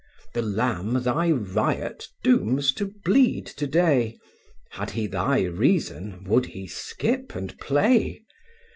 The lamb thy riot dooms to bleed to day, Had he thy reason, would he skip and play?